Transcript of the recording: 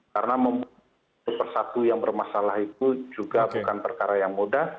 karena membuat satu persatu yang bermasalah itu juga bukan perkara yang mudah